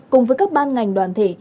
cùng với các ban ngành đoàn thể